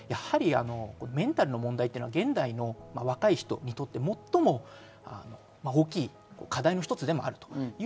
メンタルの問題は現代の若い人にとって、最も大きい課題の一つです。